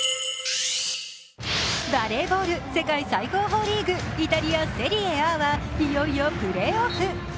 バレーボール世界最高峰リーグ、イタリアセリエＡはいよいよプレーオフ。